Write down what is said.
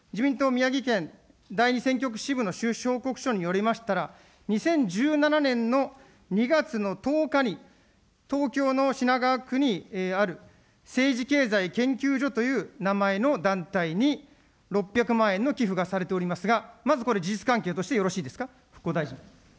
宮城県第２選挙区支部の収支報告書によりましたら、２０１７年の２月の１０日に、東京の品川区にある政治経済研究所という名前の団体に、６００万円の寄付がされておりますが、まずこれ、事実関係としてよろしいですか。